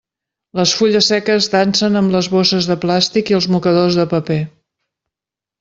Les fulles seques dansen amb les bosses de plàstic i els mocadors de paper.